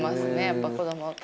やっぱ子どもは。